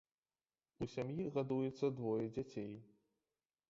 У сям'і гадуецца двое дзяцей.